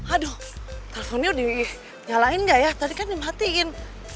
aduh teleponnya dinyalain gak ya tadi kan dimatiin